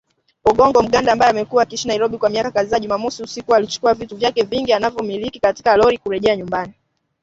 Ogongo Mganda, ambaye amekuwa akiishi Nairobi, kwa miaka kadhaa, Jumamosi usiku alichukua vitu vyake vingi anavyomiliki katika lori kurejea nyumbani